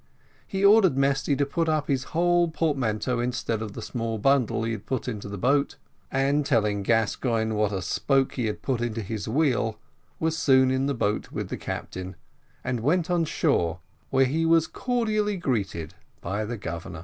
He ordered Mesty to put up his whole portmanteau instead of the small bundle he put into the boat, and telling Gascoigne what a spoke he had put into his wheel, was soon in the boat with the captain, and went on shore, where he was cordially greeted by the Governor.